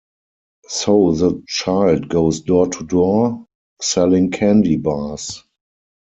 So the child goes door to door, selling candy bars.